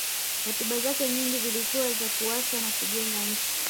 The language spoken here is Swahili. hotuba zake nyingi zilikuwa za kuasa na kujenga nchi